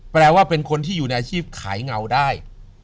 แปลว่าเป็นคนที่อยู่ในอาชีพขายเงาได้